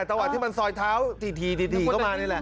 ตะวัดที่มันซอยเท้าทีก็มานี่แหละ